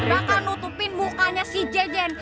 bakal nutupin mukanya si jejen